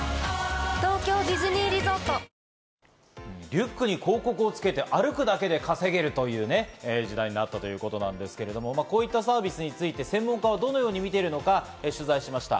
リュックに広告をつけて歩くだけで稼げるという時代になったということなんですけども、こういったサービスについて専門家はどのように見ているのか取材しました。